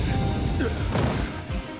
うっ！